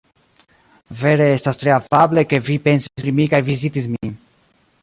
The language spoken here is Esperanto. Vere estas tre afable, ke vi pensis pri mi kaj vizitis min.